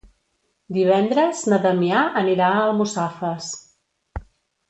Divendres na Damià anirà a Almussafes.